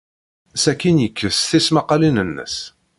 Sakkin, yekkes tismaqqalin-nnes.